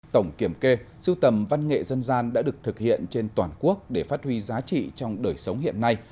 tổng kiểm kê sưu tầm văn nghệ dân gian đã được thực hiện trên toàn quốc để phát huy giá trị trong đời sống hiện nay